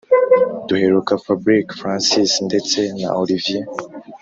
duheruka fabric francis ndetse na olivier